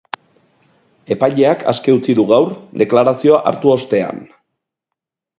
Epaileak aske utzi du gaur, deklarazioa hartu ostean.